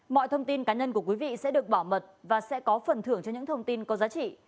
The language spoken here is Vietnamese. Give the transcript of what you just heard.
mọi thông tin cá nhân của quý vị sẽ được bảo mật và sẽ có phần thưởng cho những thông tin có giá trị